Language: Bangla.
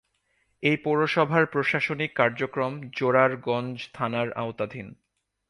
এ পৌরসভার প্রশাসনিক কার্যক্রম জোরারগঞ্জ থানার আওতাধীন।